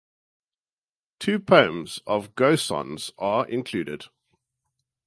Two poems of Gosson's are included.